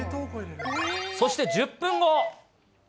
そして１０分後。